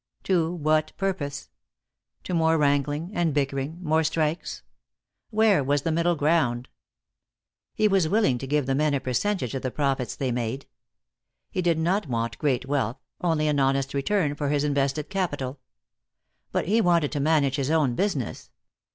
To what purpose? To more wrangling and bickering, more strikes? Where was the middle ground? He was willing to give the men a percentage of the profits they made. He did not want great wealth, only an honest return for his invested capital. But he wanted to manage his own business.